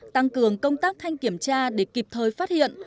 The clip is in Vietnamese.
tăng cường công tác thanh kiểm tra để kịp thời phát hiện